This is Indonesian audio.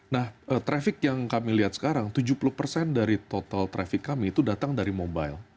nah traffic yang kami lihat sekarang tujuh puluh persen dari total traffic kami itu datang dari mobile